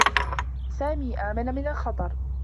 سامي آمن من الخطر.